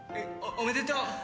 おめでとう！